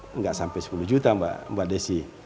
tidak sampai sepuluh juta mbak desi